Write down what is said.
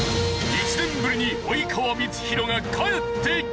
１年ぶりに及川光博が帰ってきた！